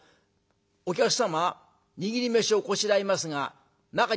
「『お客様握り飯をこしらえますが中には何を入れますか？』。